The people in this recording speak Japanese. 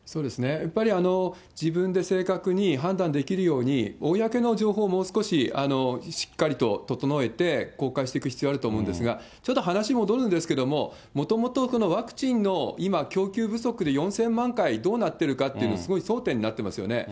やっぱり、自分で正確に判断できるように、公の情報をもう少ししっかりと整えて公開していく必要があると思うんですが、ちょっと話戻るんですけど、もともとワクチンの今、供給不足で４０００万回、どうなってるかというのがすごい争点になってますよね。